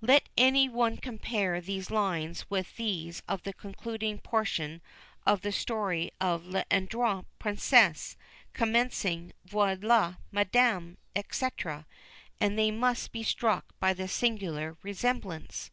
Let any one compare these lines with those of the concluding portion of the story of L'Adroite Princesse commencing "Voila Madame," &c., and they must be struck by the singular resemblance.